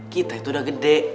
kita itu udah gede